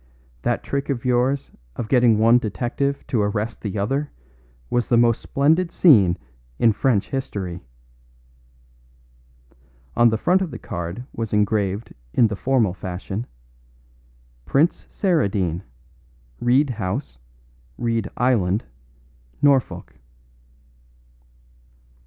That trick of yours of getting one detective to arrest the other was the most splendid scene in French history." On the front of the card was engraved in the formal fashion, "Prince Saradine, Reed House, Reed Island, Norfolk."